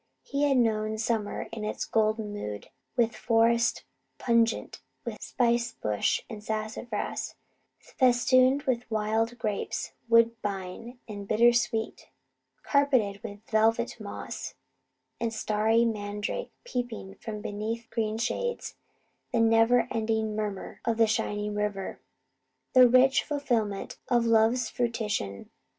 He had known summer in its golden mood, with forests pungent with spicebush and sassafras; festooned with wild grape, woodbine, and bittersweet; carpeted with velvet moss and starry mandrake peeping from beneath green shades; the never ending murmur of the shining river; and the rich fulfilment of love's fruition.